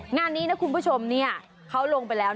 งานนี้นะคุณผู้ชมเขาลงไปแล้ว